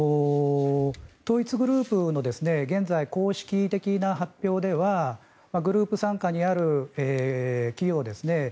統一グループの現在、公式的な発表ではグループ傘下にある企業ですね